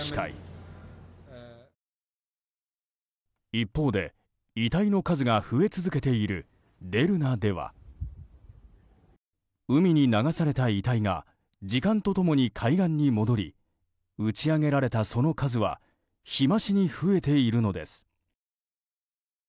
一方で、遺体の数が増え続けているデルナでは海に流された遺体が時間と共に海岸に戻り打ち揚げられたその数は日増しに増えているのです。